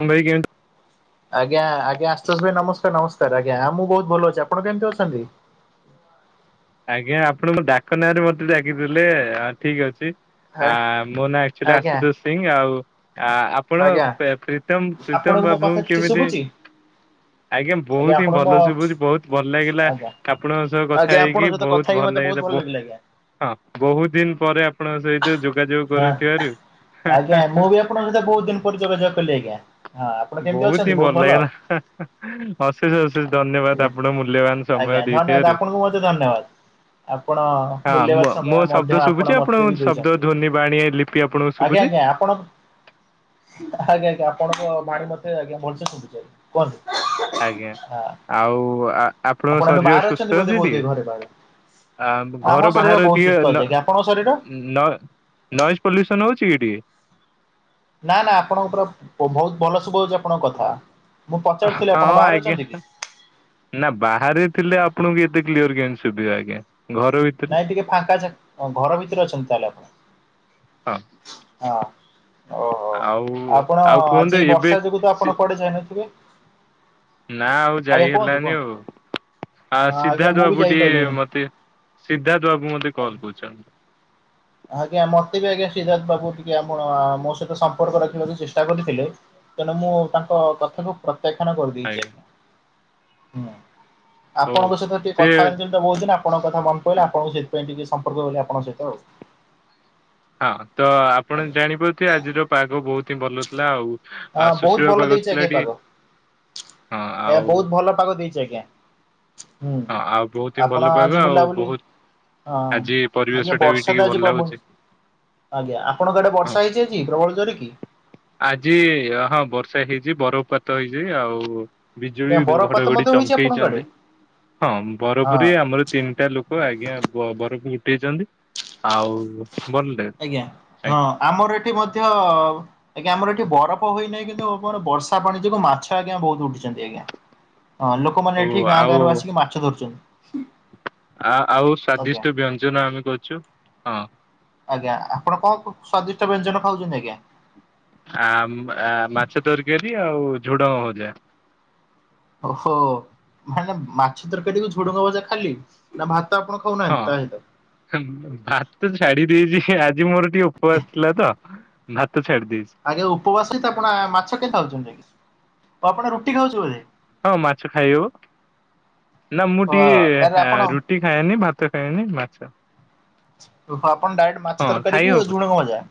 ମୁମ୍ବାଇ କେମିତି ଆଜ୍ଞା ଆଜ୍ଞା ଆୁଷ ଭ ନମସ୍କାର ନମସ୍କାର ଆଜ୍ଞାଁ ମୁଁ ବହୁ ଭଲ ଅଛି ଆପଣ କେମିତି ଅଛନ୍ତି? ଆଜ୍ଞା ଆପଣଙ୍କ ଡାକନାଁ ରେ ମତେ ଡାକିଥିଲେ ଠିକ ଅଛି। ଆ ମୋ ନାଁଚୁଆଲି ଆଜ୍ଞା ଆଶୁତୋଷ ସିଂ ଆଉ। ଆପଣ ଆଜ୍ଞା ପ୍ରୀତମ ପ୍ରୀତମ ଆପଣଙ୍କୁ ମୋ କଥା ବାବୁଙ୍କୁ କିଛି କେମିତି ଶୁଭୁଛି? ଆଜ୍ଞା ବହୁତ ହିଁ ଆପଣଙ୍କୁ ମୋ ଭଲ ସୁୁଭୁଜ ବହୁତ ଭଲ ଲାଗିଲା ଆଜ୍ଞା ଆପଣଙ୍କ ସହ ଆଜ୍ଞା କଥା ଆପଣଙ୍କ ହେଇକି ସହିତ ବହୁତ କଥା ହେଇକି ମତେ ବହୁତ ଭଲ ଲାଗିଲା ଆଜ୍ଞା। ହଁ ବହୁତ ଦିନ ପରେ ଆପଣଙ୍କ ସହିତ ଯୋଗାଯୋଗ ହଁ କରୁଥିବାରୁ ଆଜ୍ଞା ମୁଁ ବି ଆପଣଙ୍କ ସହିତ ବହୁତ ଦିନ ପରେ ଯୋଗାଯୋଗ କଲି ଆଜ୍ଞା। ହଁ ଆପଣ କେମିତି ବହୁତ ଅଛନ୍ତି ହିଁ ଭଲ ଲାଗିଲା ଅଶେଷ ଅଶେଷ ଆଜ୍ଞା ଧନ୍ୟବାଦ ଆପଣ ମୂଲ୍ୟବାନ ସମୟ ଆଜ୍ଞା ଧନ୍ୟବାଦ ଦେଇଥିବାରୁ। ଆପଣଙ୍କୁ ମଧ୍ୟ ଧନ୍ୟବାଦ। ଆପଣ ମୂଲ୍ୟବାନ ହଁ ମୋ ସମୟ ଶବ୍ଦ ମଧ୍ୟ ଶୁଭୁଛି ଆପଣ ମତେ ଆପଣଙ୍କ ବି ଶବ୍ଦ ଦେଇଛନ୍ତି। ଧ୍ୱନି ବାଣୀ ଲିପି ଆପଣଙ୍କୁ ଆଜ୍ଞା ଶୁଭୁଛି? ଆଜ୍ଞା ଆପଣ ଆଜ୍ଞା ଆଜ୍ଞା ଆପଣଙ୍କ ବାଣୀ ମତେ ଆଜ୍ଞା ଭଲସେ ଶୁଭୁଛି କୁହନ୍ତୁ। ଆଜ୍ଞା ହଁ ଆଉ ଆପଣଙ୍କ ଆପଣ ଏବେ ଶରୀର ବାହାରେ ଅଛନ୍ତି ସୁସ୍ଥ ବୋଧେ ଅଛି ଟି? ବୋଧେ ଘରେ ବାହାରେ ଆ ଆମ ଘର ଶରୀର ବାହହାର ବହୁତ ଟଏ ସୁସ୍ଥ ଅଛି ନ ଆଜ୍ଞା ଆପଣଙ୍କ ଶରୀର? ନ ନଏଜ୍ ପଲ୍ୟୁସନ୍ ହେଉଛି କି ଟି। ନା ନା ଆପଣଙ୍କ ପୁରା ବହୁତ ଭଲ ଶୁଭ ହଉଛି ଆପଣଙ୍କ କଥା ମୁଁ ପଚାରୁଥିଲି ହଁ ଆପଣ ବାହାରେ ଆଜ୍ଞା ଅଛନ୍ତି କି? ନା ବାହାରେ ଥିଲେ ଆପଣଙ୍କୁ ଏତେ କ୍ଲିଅର କେମିତି ସୁଭିବ ଆଜଞା ଘର ଭିତ ନାଇଁ ଟିକେ ଫାଙ୍କା ଘର ଭିତରେ ଅଛନ୍ତି ତାହେଲେ ଆପଣ ହଁ ହଁ। ଓହୋ ଆଉ ଆପଣ ଆଉ କୁହନ୍ତୁ ଆଜି ଏବେ ବର୍ଷା ଯୋଗୁ ତ ଆପଣ ସି- କୁଆଡେ ଯାଇନଥିବେ? ନା ଆଉ ଆଜ୍ଞା ଯାଇ କୁହନ୍ତୁ ହେଲାନି କୁହନ୍ତୁ। ଆଉ ଆ ହଁ ଆଜ୍ଞା ସିଧା ଯୁ ମୁଁ ବି ବାବୁ ଟିକେ ଯାଇପାରିଲିନି। ମତେ ସିଦ୍ଧାର୍ଥ ବାବୁ ମୋତେ କଲ କରିଛନ୍ତି। ଆଜ୍ଞା ମତେ ବି ଆଜ୍ଞା ସିଦ୍ଧାର୍ଥ ବାବୁ ଟିକେ ଆ ମୋ ସହିତ ସମ୍ପର୍କ ରଖିବାକୁ ଚେଷ୍ଟା କରିଥିଲେ। ତେଣୁ ମୁଁ ତାଙ୍କ ତଥ୍ୟରୁ ପ୍ରତ୍ୟାଖ୍ୟାନ କରିଦେଇଛି ଆଜ୍ଞା ଆଜଞା ହୁଁ ହଉ ଆପଣଙ୍କ ସହିତ ଟିକେ ସେ କଥା ବହୁ ଦିନ ଆଣଙ୍କ କଥା ମନ ପହିଲା ଆପଣଙ୍କୁ ସେଥିାଇ ଟିକେ ସମ୍ପର୍କ କଲେ ଆପଙ୍କସହିତ ଆଉ। ହଁ ତ ଆପଣ ଆଜ୍ଞା ଜାଣିପାରୁଥିବେ ଆଜିର ପାଗ ବହୁତ ହିଁ ଭଲ ଥିଲା ଆଉ। ଆଉ ହଁ ବହୁତ ସୁଶୀଳ ଭଲ ପାଗ ଦେଇଛି ଥିଲା ଆଜ୍ଞା ଟିକେ ପାଗ ହଁ ଏ ଆଉ ବହୁତ ଭଲ ପାଗ ଦେଇଛି ଆଜ୍ଞା। ହୁଁ ହଁ ଆଉ ବହୁତ ହିଁ ଭଲ ଆପଣ ପାଗ ଆଜି ଆଉ ବୁଲାବୁଲି ବହୁତ ଆଜି ହଁ ପରିବେଶ ଆ ଟା ବି ବର୍ଷା ଟିକେ ତ ଭଲ ଆଜି ପ୍ରବଳ ଲାଗୁଛି। ଆଜ୍ଞା ଆପଣଙ୍କ ଆଡେ ହଁ ବର୍ଷା ହେଇଛିଛି ପ୍ରବଳ ଜୋର କି? ଆଜି ହଁ ବର୍ଷା ହେଇଛି ବରଫପାତ ହେଇଛି ଆଉ ଏ ବିଜୁଳି ବରଫପାତ ଘଡଘଡି ମଧ୍ୟ ହୋଇଛି ଆପଣଙ୍କ ଆଡେ ଚମକେଇଛନ୍ତି ହଁ ହଁ ବରଫପରିୀ ଆମର ତିନିଟା ଲୋକ ହୁ ଆଜ୍ଞା ବରଫ ଗୁଟେଇଛନ୍ତି ଆଉ ଭଲଟ ଆଜ୍ଞା ହଁ ଆମର ଏଠି ମଧ୍ୟ ଆଜ୍ଞା ଆମର ଏଠି ବରଫ ହ ହୋଇନାହିଁ କିନ୍ତୁ ଆପଣ ବର୍ଷା ପାଣି ଯୋଗୁଁ ମାଛ ଆଜ୍ଞା ବହୁତ ଉୁଛନ୍ତି ଆଜ୍ଞା। ହଁ ଓ ଲୋକମାନେ ଏଠି ଗାଁ ଆଉ ଗାଁରୁ ଆସିକି ମାଛ ଧରୁଛନ୍ତି। ଆ ଆଉ ଆଜ୍ଞା। ସ୍ଵାଦିଷ୍ଟ ବ୍ୟଞ୍ଜନ ଆମେ କରଛୁ ହଁ। ଆଜ୍ଞା ଆପଣ କଣ ସ୍ଵାଦିଷ୍ଟ ବ୍ୟଞ୍ଜନ ଖାଉଛନ୍ତି ଆଜ୍ଞା? ଆ ମାଛ ତରକାରୀ ଆଉ ଝୁଡଙ୍ଗ ଭଜା। ଓହୋ ମାନ ମାଛ ତରକାରୀକୁ ଝୁଡୁଙ୍ଗ ଭଜା ଖାଲି ନା ଭାତ ଆପଣ ହଁ କହୁନାହାନ୍ତି ତା ସହିତ ଭାତ ତ ଛାଡି ଦେଇଛି ଆଜି ମୋର ଟିକେ ଉପବାସ ଥିଲା ତ। ଭାତ ଛାଡ଼ି ଦେଇଛି। ଆଜ୍ଞା ଉପବାସ ତ ଆପଣ ମାଛ କେହି ଖାଉଛନ୍ତି କି ଆଉ ଆପଣ ରୁଟି ଖାଉଛନ୍ତି ବୋଧେ। ହଁ ମାଛ ଖାଇହବ। ନା ମୁଁ ଓ ତାହେଲେ ଟିକେ ଆପଣ ରୁଟି ଖାଏନି ଭାତ ଖାଏନି ମାଛ ଓହୋ ଆପଣ ଡାଇରେକ୍ଟ ହଁ ମାଛ ଖାଇ ତରକାରୀକୁ ହବ ଝୁଡଙ୍ଗ ଭଜା।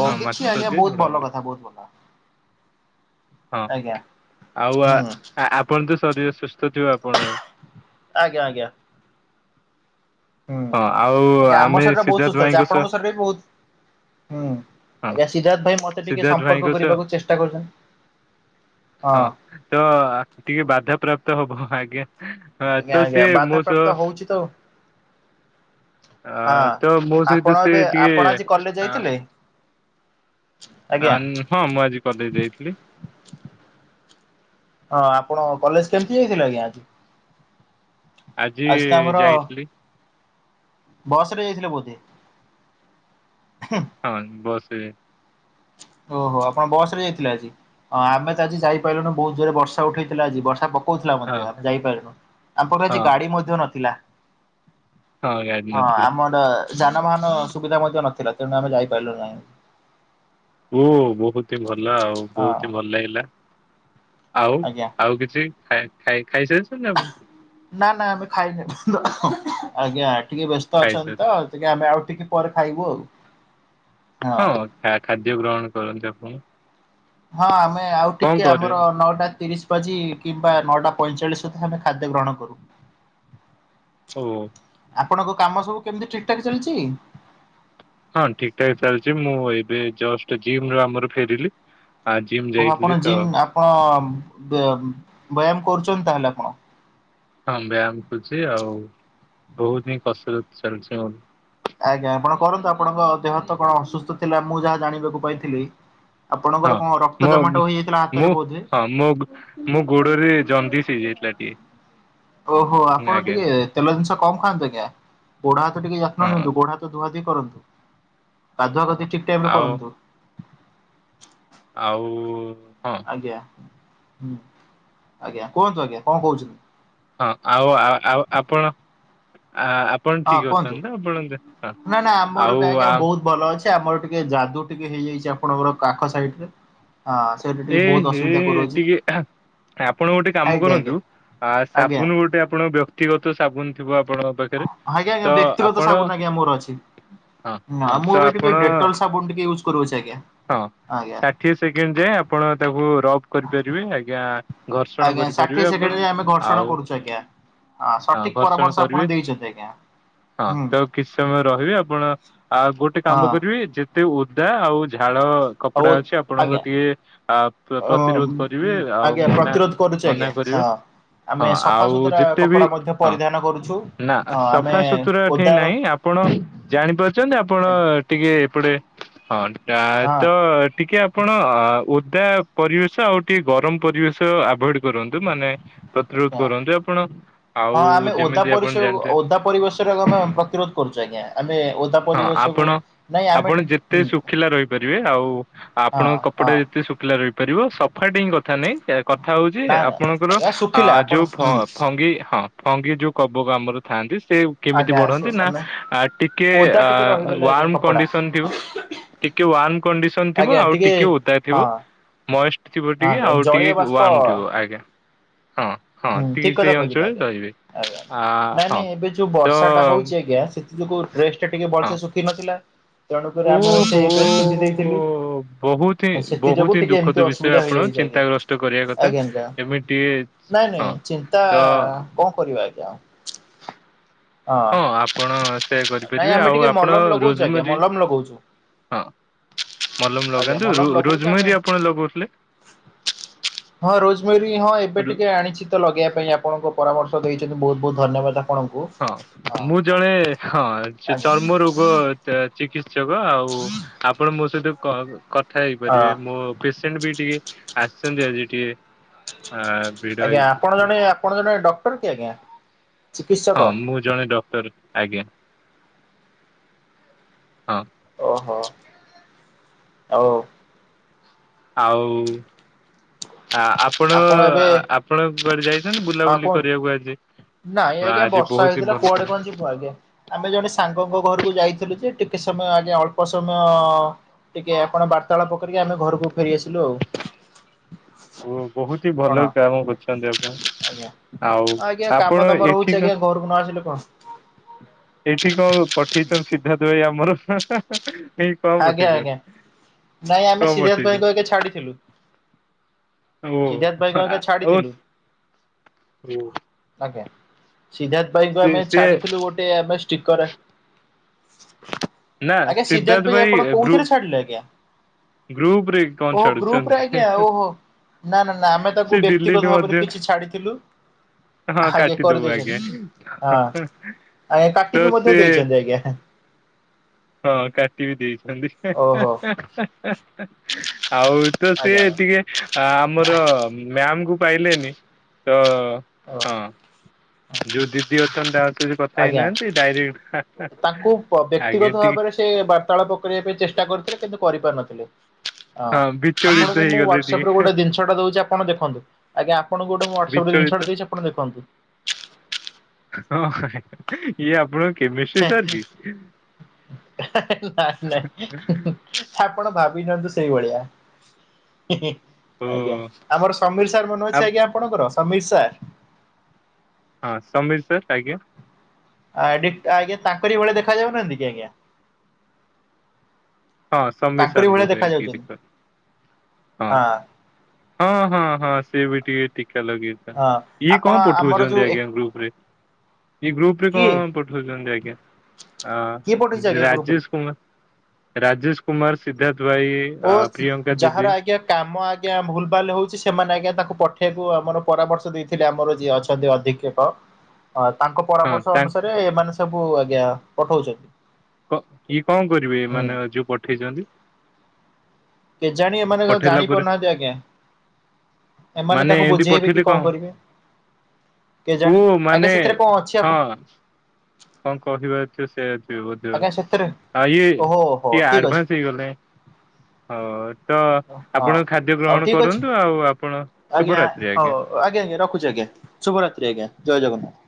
ଓ ହଁ ମାଛ କିଛି ଆଜ୍ଞା ତରକାରୀ ବହୁତ ଝୁଡଙ୍ଗ ଭଲ ତରକାରୀ କଥା ବହୁତ ଭଲ। ହଁ ଆଜ୍ଞା ଆଉ ହୁଁ ଆପଣ ତ ଶରୀର ସୁସ୍ଥ ଥିବ ଆପଣ? ଆଜ୍ଞା ଆଜ୍ଞା। ହୁଁ ଆଉ ଆଜ୍ଞା ଆମ ଆମେ ଶରୀର ବହୁତ ସିଦ୍ଧାର୍ଥ ସୁସ୍ଥ ଅଛି। ଭାଇଙ୍କ ସହ ଆପଣଙ୍କ ଶରୀର ବି ବହୁତ ହୁଁ ହଁ ଆଜ୍ଞା ସିଦ୍ଧାର୍ଥ ଭାଇ ମତେ ଟିକେ ସିଦ୍ଧାର୍ଥ ଭାଇଙ୍କ ସମ୍ପର୍କ ସହ କରିବାକୁ ଚେଷ୍ଟା କରୁଛନ୍ତି ହଁ। ତ ଟିକେ ବାଧା ପ୍ର୍ରାପ୍ତ ହବ ଆଜ୍ଞା। ହଁ ଆଜ୍ଞା ତ ଆଜ୍ଞା ସେ ମୋ ବାଧାପ୍ରାପ୍ତ ସହ ହଉଛି ତ ଆ ହଁ ତ ମୋ ଆପଣ ସହିତ ସେ ଏବେ ଆପଣ ଆଜି ଟିକେ କଲେଜ ଯାଇଥିଲେ? ଆଜ୍ଞା ହଁ ମୁଁ ଆଜି କଦେଇ ଦେଇଥିଲି। ହଁ ଆପଣ କଲେଜ କେମତି ଯାଇଥିଲେ ଆଜ୍ଞା? ଆଜି ତ ଆମର ବସରେ ଯାଇଥିଲେ ବୋଧେ। ହଁ ବସରେ ଯାଇ ଓହୋ ଆପଣ ବସରେ ଯାଇଥିଲେ ଆଜି। ହଁ ଆମେ ତ ଆଜି ଯାଇପାରିଲୁନି ବହୁତ ଜୋରରେ ବର୍ଷା ଉଠେଇଥିଲା ଆଜି। ବର୍ଷା ପ କଉଥିଲା ହଁ ମଧ୍ୟ ଆମେ ଯାଇପାରିଲୁନୁ ଆମର ଆଜି ହଁ ଗାଡି ମଧ୍ୟ ନଥିଲା। ହଁ ଗାଡି ହଁ ନଥିଲା ଆମର ଯାନବାହାନ ସୁବିଧା ମଧ୍ୟ ନଥିଲା ତେଣୁ ଆମେ ଯାଇପାରିଲୁ ନାହିଁ। ହୁଁ ବହୁତ ହି ଭଲ ଆଉ ହଁ ବହୁତ ହି ଭଲ ଲାଗିଲା ଆଉ ଆଜ୍ଞା ଆଉ କିଛି ଖା ଖାଇ ଖାଇସାରିଛନ୍ତି ଆଉ ନା ନା ଆମେ ଖାଇନୁ। ଆଜ୍ଞା ଟିକେ ବ୍ୟସ୍ତ ଅଛନ୍ତି ଖାଇସାରି ତ। ଆଜ୍ଞା ଆମେ ଆଉ ଟିକେ ପରେ ଖାଇବୁ ଆଉ। ହଁ ଖାଦ୍ୟ ଗ୍ରହଣ କରନ୍ତୁ ଆପଣ। ହଁ ଆମେ ଆଉ କଣ ଟିକେ କରିବେ ଆମର ନଅଟା ତିରିଶ ବାଜି କିମ୍ବା ନଅଟା ପଇଁଚାଳିଶ ସୁଦ୍ଧା ଆମେ ଖାଦ୍ୟ ଗ୍ରହଣ କରୁ। ଓ। ଆପଣଙ୍କ କାମ ସବୁ କେମିତି ଠିକ ଠାକ୍ ଚାଲିଛି। ହଁ ଠିକଠାକ୍ ଚାଲିଛି ମୁଁ ଏବେ ଜଷ୍ଟ ଜିମରୁ ଆମର ଫେରିଲି। ଆ ଜିମ୍ ଓହୋ ଯାଇଥିଲି ଆପଣ ତ ଜିମ୍ ଆପଣ ବ୍ୟାୟାମ କରୁଛନ୍ତି ତାହେଲେ ଆପଣ। ହଁ ବ୍ୟାୟାମ କରୁଛି ଆଉ ବହୁତ ହି କସରତ ଚାଲିଛି ମୋର। ଆଜ୍ଞା ଆପଣ କରନ୍ତୁ ଆପଣଙ୍କ ଦେହ ତ କଣ ଅସୁସ୍ଥ ଥିଲା ମୁଁ ଯାହା ଜାଣିବାକୁ ପାଇଥିଲି। ହଁ ଆପଣଙ୍କର କଣ ରକ୍ତ ମୋ ଜମାଟ ହେଇଯାଇଥିଲା ହାତରେ ମୁଁ ବୋଧେ? ହଁ ମୋ ମୋ ଗୋଡରେ ଜଣ୍ଡିସ ହେଇ ଯାଇଥିଲା। [inaudible] ଓହୋ ଆପଣ ଟିକେ ତେଲ ଜିନିଷ କମ ଖାଆନ୍ତୁ ଆଜ୍ଞା ଗୋଡ ହାତ ଟିକେ ହଁ ଯତ୍ନ ନିଅନ୍ତୁ ଗୋଡ ହାତ ଧୁଆଧୁଇ କରନ୍ତୁ। ଗାଧୁଆ ହଁ ଗାଧି ଠିକ ଟାଇମରେ ଆଉ କରନ୍ତୁ। ଆଉ ହଁ। ଆଜ୍ଞା ଆଜ୍ଞା କୁହନ୍ତୁ ଆଜ୍ଞା କଣ କହୁଛନ୍ତି? ହଁ ଆଉ ଆଉ ଆପଣ ଆ ଆପ ଆପଣ ହଁ ଠିକ କୁହନ୍ତୁ? ଅଛନ୍ତି ତ ଆପଣ ଦେହ ନା ନା ଆମର ବି ଆଉ ଆଜ୍ଞା ଆ ବହୁତ ଭଲ ଅଛି ଆମର ଟିକେ ଯାଦୁ ଟିକେ ହେଇଯାଇଛି ଆପଣଙ୍କର କାଖ ସାଇଡରେ ଆ ଏହେ ଟିକେ ଖା ଆପଣ ଗୋଟେ କାମ ଆଜ୍ଞା ଆଜ୍ଞା କରନ୍ତୁ ଆ ଆଜ୍ଞା। ସାବୁନ ଗୋଟେ ଆପଣ ବ୍ୟକ୍ତିଗତ ସାବୁନ ଥିବ ଆପଣ ପାଖରେ ଆଜ୍ଞା ତ ଆଜ୍ଞା ବ୍ୟକ୍ତିଗତ ସାବୁନ ଆଜ୍ଞା ମୋର ଅଛି। ହଁ ନା ହଁ ତ ମୁଁ ଏବେ ଆପଣ ଟିକେ ଡେଟଲ ସାବୁନ ଟିକେ ୟୁଜ କରୁଅଛି ଆଜ୍ଞା। ହଁ ଆଜ୍ଞା। ଷାଠିଏ ସେକେଣ୍ଡ ଯାଏ ଆ ଆପଣ ତାକୁ ରବ କରିପାରିବେ ଆଜ୍ଞା ଘର୍ଷଣ ଆଜ୍ଞା ଷାଠିଏ କରିପାରିବେ ସେକେଣ୍ଡ ଆପଣ ରେ ଆମେ ଘର୍ଷଣ ଆଉ କରୁଛୁ ଆଜ୍ଞା। ହଁ ସଠିକ ଘର୍ଷଣ ପରାମର୍ଶ କରିବେ ଆପଣ ଦେଇଛନ୍ତି ଆଜ୍ଞା। ହଁ ହୁଁ ତ କିଛି ସମୟ ରହିବେ ଆପଣ ଆ ଗୋଟେ ହଁ କାମ କରିବେ ଯେ ଯେତେ ଓଦା ଆଉ ଝାଳ ଆଉ କପଡା ଅଛି ଆପଣଙ୍କ ଆଜ୍ଞା ଟିକେ ଆ ପ୍ରତିରୋଧ କରିବେ ଆଉ ଆଜ୍ଞା ମନା ପ୍ରତିରୋଧ କରୁଛି ମନା ଆଜ୍ଞା କରିବେ। ହଁ। ଆମେ ହଁ ଆଉ ସଫାସୁତୁରା ଯେତେ ବି କପଡା ମଧ୍ୟ ହଁ ପରିଧାନ କରୁଛୁ ନା ହଁ ଆମେ ସଫା ସୁତୁରା ଏଠି ଓଦା ନାହିଁ ଆ ଆପଣ ଜାଣିପାରୁଛନ୍ତି ଆପଣ ଆଜ୍ଞା, ଟିକେ ଏପଟେ [inaudible] ହଁ ତ ଟିକେ ଆପଣ ଓ ଓଦା ପରିବେଶ ଆଉ ଟିକେ ଗରମ ପରିବେଶ ଆଭୋଏଡ କରନ୍ତୁ ମାନେ ପ୍ରତିରୋଧ ଆଜ୍ଞା। କରନ୍ତୁ ଆପଣ ଆଉ ହଁ ଆମେ ଓଦା ଯେମିତି ପରିସ ଆପଣ ଜାଣିଥିବେ ଓଦା ପରିବେଶରେ ଆମେ ପ୍ରତିରୋଧ କରୁଛୁ ଆଜ୍ଞା ଆମେ ଓଦା ହଁ ପରିବେଶକୁ ଆପଣ ନାଇଁ ଆମେ ଏଠି ଆପଣ ଯେତେ ହୁଁ ଶୁଖିଲା ରହିପାରିବେ ଆଉ ହଁ ଆପଣଙ୍କ କପଡ଼ା ହଁ ତେ ଶୁଖିଲା ରହିପାରିବ ସଫାଟି ହିଁ କଥା ନାହିଁ କ କଥା ହଉଛି ନା ନା ଆପଣଙ୍କର ଆଜ୍ଞା ଅ ଶୁଖିଲା ଆପଣ ଯୋଉ ହୁଁ ଫଙ୍ଗି ହଁ ଫଙ୍ଗି ଯୋଉ କବକ ଆମର ଥାଆନ୍ତି ସେ କେମିତି ଆଜ୍ଞା ସେ ବଢନ୍ତି ନା ମାନେ ଟିକେ ଟିକେ ଓଦା ଆ ଟିକେ ରହିଗଲେ ଆଜ୍ଞା ୱାର୍ମ କପଡା କଣ୍ଡିସନ୍ ଥିବ ଟିକେ ୱାର୍ମ କଣ୍ଡିସନ୍ ଥିବ ଆଉ ଟିକେ ଓଦାର ହଁ ଥିବ ହଁ ମଏଷ୍ଟ ଥିବ ଟିକେ ଆଜ୍ଞା ଆଉ ଜଳୀୟ ଟିକେ ବାଷ୍ପ ୱାର୍ମ ଥିବ ଆଜ୍ଞା। ହଁ ହଁ ହୁଁ ଟିକେ ଠିକ ସେଇ କଥା କହିଛନ୍ତି ଅଞ୍ଚଳରେ ଆଜ୍ଞା। ରହିବେ। ଆଜ୍ଞା ଆ ନାଇଁ ହଁ ନାଇଁ ଏବେ ଯୋଉ ତ ବର୍ଷା ଟା ହଉଛି ଆଜ୍ଞା ସେ ଡ୍ରେସ ଟା ଟିକେ ହଁ ଭଲସେ ଶୁଖିିନଥିଲା ତେଣୁକରି ଆମକୁ ଓହୋ ସେଇ ଡେସ ପିନ୍ଧି ଦେଇଥିଲୁ। ବହୁତ ହିଁ ବହୁତ ହିଁ ଏମିତି ଦୁଃଖଦ ବିଷୟ ଅସୁବିଧା ଆପଣ ହେଇଯାଇଛି ଆଜ୍ଞା। ଚିନ୍ତାଗ୍ରସ୍ତ କରିବା କଥା ଆଜ୍ଞା ଆଜ୍ଞା ଏମିତି ନାଇଁ ହଁ ନାଇଁ ଚିନ୍ତା ତ କଣ କରିବା ଆଜ୍ଞା। ହଁ ଆପଣ ସେ ନାଇଁ କରିପାରିବେ ଆମେ ଆଉ ଟିକେ ଆପଣ ମଲମ ଲଗଉଛୁ ଆଜ୍ଞା ରୋଜମରି ମଲମ ଲଗଉଛୁ ହଁ ମଲମ ଆଜ୍ଞା ଲଗାନ୍ତୁ ମଲମ ଲଗଉଛୁ ଆମେ ରୋଜମରି ଆପଣ ଲଗାଉଥିଲେ? ହଁ ରୋଜମରି ହଁ ଏବେ ରୋଜ ଟିକେ ଆଣିଛି ତ ଲଗେଇବା ପାଇଁ ଆପଣଙ୍କୁ ପରାମର୍ଶ ଦେଇଛନ୍ତି ବହୁତ ବହୁତ ଧନ୍ୟବାଦ। ଆପଣଙ୍କୁ। ହଁ ହଁ ମୁଁ ଜଣେ ହଁ ଆଜ୍ଞା ଚର୍ମ ରୋଗ ଗ ଚିକିତ୍ସକ ଆଉ ଆପଣ ମୋ ସହିତ କ କଥା ହଁ ହେଇପାରିବେ ମୋ ପେସେଣ୍ଟ ବି ଟିକେ ଆସିଛନ୍ତି ଆଜି ଟିକେ ଅ ଆଜ୍ଞା ଆପଣ ଜଣେ ଆପଣ ଜଣେ ଡକ୍ଟର କି ଆଜ୍ଞା? ଚିକିତ୍ସକ ହଁ ମୁଁ ଜଣେ ଡକ୍ଟର ଆଜ୍ଞା ହଁ। ଓହୋ ଆଉ। ଆଉ ଆ ଆପ ଆପଣ ଆପଣ କୁଆଡେ ଯାଇଛନ୍ତି ହଁ ବୁଲାବୁଲି କୁହନ୍ତୁ। କରିବାକୁ ଆଜି? ନାଇଁ ଆଜ୍ଞା ଆଜି ବର୍ଷା ବହୁତ ହିଁ ହେଇଥିଲା ଭଲ କୁଆଡେ ପାଗ। କଣ ଯିବୁ। ଆଜ୍ଞା ଆମେ ଜଣେ ସାଙ୍ଗଙ୍କ ଘରକୁ ଯାଇଥିଲୁ ଯେ ଟିକେ ସମୟ ଆଜ୍ଞା ଅଳ୍ପ ସମୟ ଟିକେ ଆପଣ ବାର୍ତ୍ତାଳାପ କରିକି ଆମେ ଘରକୁ ଫେରିଆସିଲୁ ଆଉ। ଓ ବହୁତ ହିଁ କଣ? ଭଲ କାମ କରଛନ୍ତି ଆପଣ। ଆଜ୍ଞା ଆଉ ଆଜ୍ଞା କାମ ଆପଣ ଦାମ ରହୁଛି ଏଠିକ ଆଜ୍ଞା ଘରକୁ ନ ଆସିଲେ କଣ? ଏଠି କ ପଠେଇଚ ସିଦ୍ଧାର୍ଥ ଭାଇ ଆମର ହା ହା। ଏ କଁ ଆଜ୍ଞା ପଠେଇଚ ଆଜ୍ଞା ନାଇଁ ଆମେ କଁ ସିଦ୍ଧାର୍ଥ ପଠେଇଚ? ଭାଇଙ୍କୁ ଆଜ୍ଞା ଛାଡିଥିଲୁ। ସିଦ୍ଧାର୍ଥ ଭାଇଙ୍କୁ ଆଜ୍ଞା ଛାଡିଥିଲୁ ଓ [unintelligible] ଆଜ୍ଞା ସିଦ୍ଧାର୍ଥ ଭାଇଙ୍କୁ ସେ ଆମେ ସେ ଛାଡିଥିଲୁ ଗୋଟେ ଆମେ ଷ୍ଟିକର୍ ନା ସିଟ୍ ଏ ଆପଣ କୋଉଥିରେ ଛାଡିଲେ ଆଜ୍ଞା ଗ୍ରୁପ ରେ କଣ ଓ ଛାଡୁଛନ୍ତି ଗ୍ରୁପରେ ଆଜ୍ଞା ଓହୋ। ନା ନା ନା ଆମେ ସେ ତାକୁ ଡିଲିଟ ବ୍ୟକ୍ତିଗତ ଭାବରେ ମଧ୍ୟ କିଛି ଛାଡିଥିଲୁ। ହଁ ଆଜ୍ଞା କାଟିଦବୁ ଆଜ୍ଞା। କରିଦେଇଛନ୍ତି ହଁ ଆଜ୍ଞା ତ କାଟି ବିି ମଧ୍ୟ ସେ ଦେଇଛନ୍ତି ଆଜ୍ଞା। ହଁ କାଟି ବି ଦେଇଛନ୍ତି ହେଁ ଓହୋ ହେଁ ହେଁ ହେଁ ହେଁ ଆଉ ତ ସିଏ ଆଜ୍ଞା ଟିକେ ଆ ଆମର ମ୍ୟାମ କୁ ପାଇଲେନି ତ ଓ। ହଁ ଯୋଉ ଦିଦି ଅଛନ୍ତି ତା ସହିତ କଥା ଆଜ୍ଞା। ହେଇନାହାନ୍ତି ଡାଇରେକ୍ଟ ତାଙ୍କୁ ଆଗେ ବ୍ୟକ୍ତିଗତ ଟିକେ ଭାବରେ ସେ ବାର୍ତ୍ତାଳା ପକେଇ ପାଇଁ ଚେଷ୍ଟା କରିଥିଲେ କିନ୍ତୁ କରିପାରୁନଥିଲେ ହଁ। ହଁ ବିଚଳିତ ଆପଣଙ୍କୁ ମୁଁ ହେଇଗଲେ ହ୍ୱାଟସପରେ ଟିକେ ଗୋଟେ ଦିନଷଟା ଦଉଚି ଆପଣ ଦେଖନ୍ତୁ ଆଜ୍ଞା ଆପଣ ଙ୍କୁ ଗୋଟେ ମୁଁ ହ୍ୱାଟସାପରେ ଜିନିଷଟା ବିଚଳିତ ଦେଇଚି। [unintelligible] ଇଏ ଆପଣ ନାଇ ନାଇ ନାଇ। ଆପଣ ଭାବିନାନ୍ତୁ ସେଇଭଳିଆ। ଓ ଆଜ୍ଞା ଆମର ସମୀର ସାର୍ ମନେ ଅଛି ଆପ ଆଜ୍ଞା ଆପଣଙ୍କର ସମୀର ସାର୍ ହଁ ସମିର ସାର୍ ଆଜ୍ଞା। ଆଡିଟ୍ ଆଜ୍ଞା ତାଙ୍କରି ଭଳି ଦେଖା ଯାଉନାହାନ୍ତି କି ଆଜ୍ଞା। ହଁ ସମ୍ବିତ ତାଙ୍କରି ସାରଙ୍କ ଭଳିଆ ଦେଖା [unintelligible] ଯାଉଛନ୍ତି ଟିକେ ହଁ। ହଁ ହଁ ହଁ ସିଏ ବି ଟିକେ ଟିକା ଲଗେଇ ହଁ ଇଏ ଆପଣ କଁ ଆମର ଯୋଉ ପଠଉଚନ୍ତି ଏକ ଆଜ୍ଞା ଗ୍ରୁପ ରେ? ଏଇ ଗ୍ରୁପ ରେ କିଏ କଣ ପଠାଉଛନ୍ତି ଆଜ୍ଞା ଆ କିଏ ପଠେଇଛି ଆଜ୍ଞା ଗ୍ରୁପ ରେ ରାଜେଶ କୁମା ରାଜେଶ କୁମାର ସିଦ୍ଧାର୍ଥ ଭାଇ ଆ ଓ ଅଚି ପ୍ରିୟଙ୍କା ଦିଦି ଯାହାର ଆଜ୍ଞା କାମ ଆଜ୍ଞା ଭୁଲ ଭାଲ ହଉଚି ସେମାନେ ଆଜ୍ଞା ତାଙ୍କୁ ପଠାଇବାକୁ ଆମର ପରାମର୍ଶ ଦେଇଥିଲେ ଆମର ଯିଏ ଅଛନ୍ତି ଅଧିକ୍ଷକ। ଅ ତାଙ୍କ ହଁ ପରାମର୍ଶ ତାଙ୍କ ଅନୁସାରେ ଏମାନେ ସବୁ ଆଜ୍ଞା ପଠଉଚନ୍ତି। କ କିଏ କଁ କରିବେ ମାନେ ଯଉଁ ପଠେଇଚନ୍ତି? କେଜାଣି ଏମାନେ ସବୁ ପଠେଇଲା ଜାଣି ପରେ ପାରୁନାହାନ୍ତି ଆଜ୍ଞା। ଏମାନେ ମାନେ ତାଙ୍କୁ ଏମିତି ବୁଝେଇବେ କି ପଠେଇଲେ କଁ କଣ କରିବେ? ଓ କେଜାଣି ମାନେ ଆଜ୍ଞା ସେଥିରେ କଁ ଅଛି ଆପ କଁ କହିବ ଏଥିରେ ସେ? ଇଏ ବୋଧେ ଆଉ ଆଜ୍ଞା ସେଥିରେ ଆ ଇଏ ଓହୋ ହୋ କିଏ ଠିକ ଅଛି ଆଡଭାନ୍ସ ହେଇଗଲେ। ହଉ ହଉ ତ ହଁ ଆପଣ ଖାଦ୍ୟ ହଉ ଗ୍ରହଣ ଠିକ ଅଛି କରନ୍ତୁ ଆଉ ଆପଣ ଶୁଭରାତ୍ରି ଆଜ୍ଞା। ହଉ ହଉ ଆଜ୍ଞା ଆଜ୍ଞା ରଖୁଛି ଆଜ୍ଞା ଶୁଭରାତ୍ରି ଆଜ୍ଞା ଜୟ ଜଗନ୍ନାଥ।